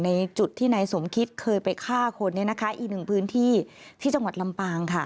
ในจุดที่นายสมคิตเคยไปฆ่าคนอีกหนึ่งพื้นที่ที่จังหวัดลำปางค่ะ